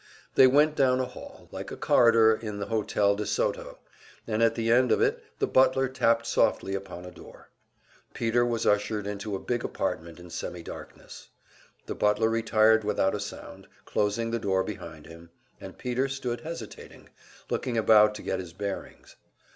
They went down a hall, like a corridor in the Hotel de Soto, and at the end of it the butler tapped softly upon a door, and Peter was ushered into a big apartment in semi darkness. The butler retired without a sound, closing the door behind him and Peter stood hesitating, looking about to get his bearings.